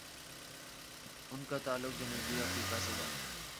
ان کا تعلق جنوبی افریقہ سے ہے۔